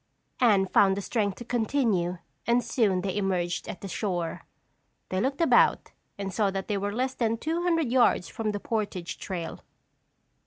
Anne found the strength to continue and soon they emerged at the shore. They looked about and saw that they were less than two hundred yards from the portage trail.